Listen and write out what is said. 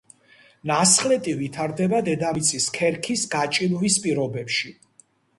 ნასხლეტი ვითარდება დედამიწის ქერქის გაჭიმვის პირობებში.